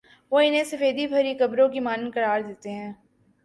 وہ انہیں سفیدی پھری قبروں کی مانند قرار دیتے ہیں۔